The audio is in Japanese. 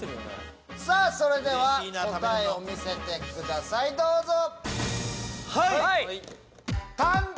それでは答えを見せてくださいどうぞ！